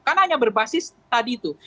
karena hanya berbasis tadi itu